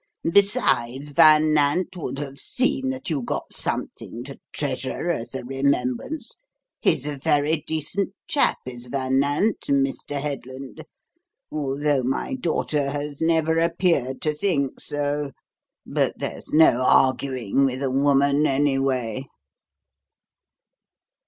Besides, Van Nant would have seen that you got something to treasure as a remembrance. He's a very decent chap, is Van Nant, Mr. Headland, although my daughter has never appeared to think so. But there's no arguing with a woman any way."